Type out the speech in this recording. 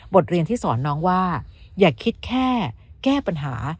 เรียนที่สอนน้องว่าอย่าคิดแค่แก้ปัญหา